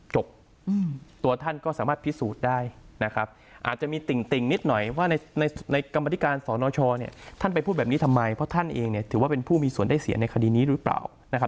ตัวท่านก็สามารถพิสูจน์ได้นะครับอาจจะมีติ่งนิดหน่อยว่าในกรรมธิการสนชเนี่ยท่านไปพูดแบบนี้ทำไมเพราะท่านเองเนี่ยถือว่าเป็นผู้มีส่วนได้เสียในคดีนี้หรือเปล่านะครับ